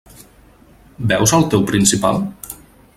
Veus el teu principal?